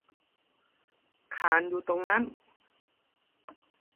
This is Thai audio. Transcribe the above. คาร์ลอยู่ตรงนั้น